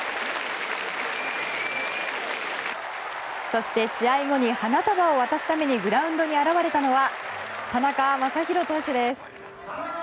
そして、試合後に花束を渡すためにグラウンドに現れたのは田中将大投手です。